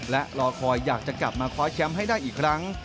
และรอคอยอยากจะกลับมาคว้าแชมป์ให้ได้อีกครั้ง